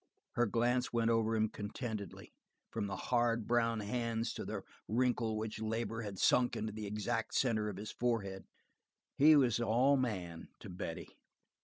Her glance went over him contentedly, from the hard brown hands to the wrinkle which labor had sunk in the exact center of his forehead. He was all man, to Betty.